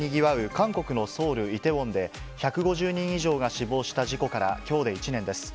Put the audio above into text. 韓国のソウル・イテウォンで、１５０人以上が死亡した事故からきょうで１年です。